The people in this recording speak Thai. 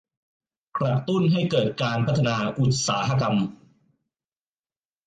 กระตุ้นให้เกิดการพัฒนาอุตสาหกรรม